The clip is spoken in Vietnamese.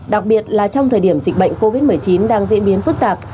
đặc biệt là trong thời điểm dịch bệnh covid một mươi chín đang diễn biến phức tạp